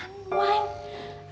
aduh itu kan wine